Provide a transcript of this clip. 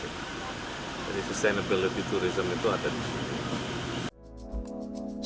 jadi sustainability tourism itu ada di sini